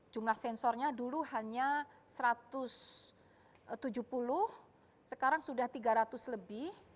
jumlah sensornya dulu hanya satu ratus tujuh puluh sekarang sudah tiga ratus lebih